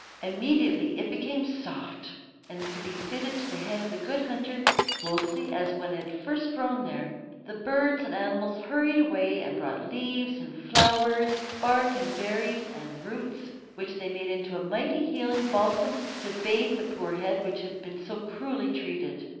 Immediately it became soft, and could be fitted to the head of the Good Hunter closely as when it had first grown there. The birds and animals hurried away and brought leaves and flowers, bark and berries and roots, which they made into a mighty healing balsam to bathe the poor head which had been so cruelly treated.